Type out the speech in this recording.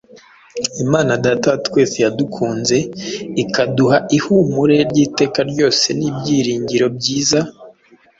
Imana Data wa twese yadukunze, ikaduha ihumure ry’iteka ryose n’ibyiringiro byiza,